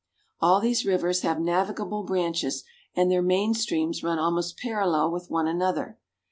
All these rivers have navigable branches, and their main streams run almost parallel with one another.